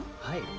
はい。